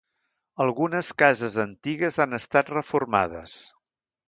Algunes cases antigues han estat reformades.